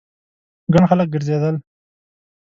ګڼ خلک ګرځېدل.